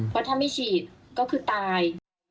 เพราะถ้าไม่ฉีดก็คือตาย